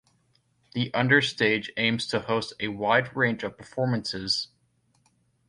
The Understage aims to host a wide range of performances.